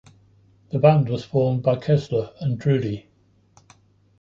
The band was formed by Kessler and Drudy.